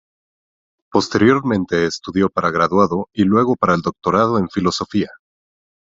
Posteriormente estudió para graduado y luego para el doctorado en filosofía.